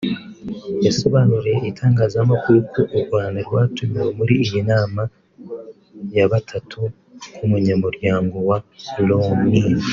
yasobanuriye itangazamakuru ko u Rwanda rwatumiwe muri iyi nama ya batatu nk’umunyamuryango wa Loni